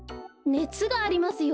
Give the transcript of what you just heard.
ねつがありますよ。